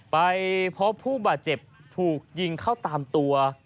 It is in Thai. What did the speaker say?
ไปพบผู้บาดเจ็บถูกยิงเข้าตามตัว